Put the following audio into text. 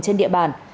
trên địa bàn